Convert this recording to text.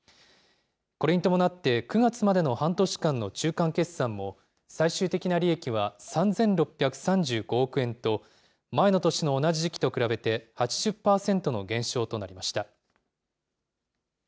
これに伴って、９月までの半年間の中間決算も、最終的な利益は３６３５億円と、前の年の同じ時期と比べて、８０％の減少となりました。